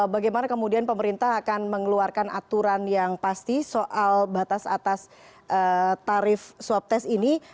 bagaimana kemudian pemerintah akan mengeluarkan aturan yang pasti soal batas atas tarif swab test ini